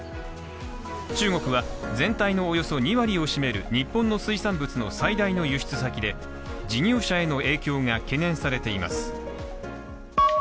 中国は全体のおよそ２割を占める日本の水産物の最大の輸出先で事業者への影響が懸念されています。